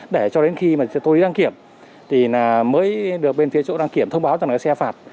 để cho đến khi mà tôi đăng kiểm thì mới được bên phía chỗ đăng kiểm thông báo rằng là xe phạt